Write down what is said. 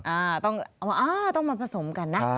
อ้าวต้องมาผสมกันนะ